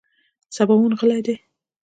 سباوون غلی دی .